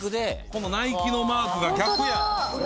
このナイキのマークが逆や！